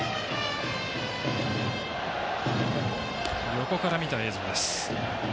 横から見た映像です。